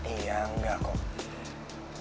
iya enggak kok